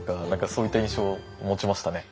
そういった印象を持ちましたね。